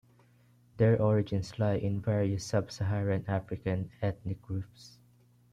Their origins lie in various Sub-Saharan African ethnic groups.